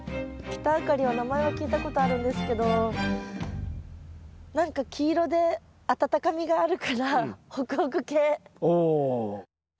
キタアカリは名前は聞いたことあるんですけど何か黄色であたたかみがあるからほくほく系。